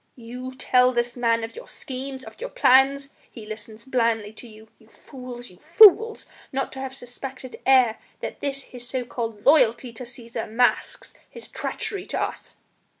You tell this man of your schemes, of your plans! He listens blandly to you!... You fools! you fools! Not to have suspected ere this that his so called loyalty to Cæsar masks his treachery to us!"